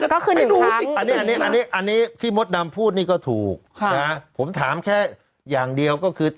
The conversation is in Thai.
ก็คือถูกอันนี้อันนี้ที่มดดำพูดนี่ก็ถูกผมถามแค่อย่างเดียวก็คือ